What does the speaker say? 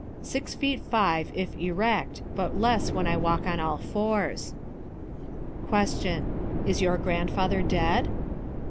Six feet five, if erect, but less when I walk on all fours. Q. Is your grandfather dead?